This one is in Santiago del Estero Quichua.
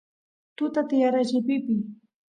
tuta tiyara llipipiy